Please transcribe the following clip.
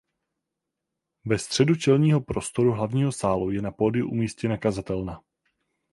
Ve středu čelního prostoru hlavního sálu je na pódiu umístěna kazatelna.